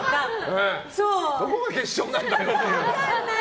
どこが決勝なんだよって。